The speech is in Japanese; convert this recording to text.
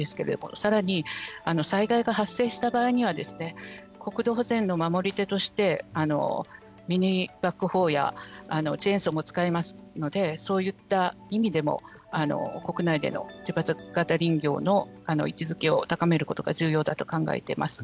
さらに災害が発生した場合には国土保全の守り手としてチェーンソーなども使いますのでそういった意味でも国内での自伐型林業の位置づけを高めることが重要だと考えています。